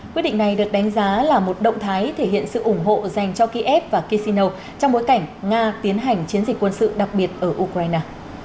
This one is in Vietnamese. quyết định này được đánh giá là một động thái thể hiện sự ủng hộ dành cho kiev và kishino trong bối cảnh nga tiến hành chiến dịch quân sự đặc biệt ở ukraine